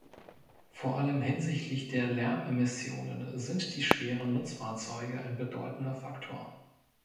Vor allem hinsichtlich der Lärmemissionen sind die schweren Nutzfahrzeuge ein bedeutender Faktor.